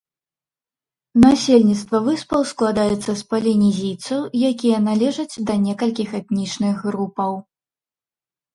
Насельніцтва выспаў складаецца з палінезійцаў, якія належаць да некалькіх этнічных групаў.